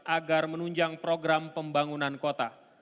agar menunjang program pembangunan kota